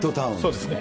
そうですね。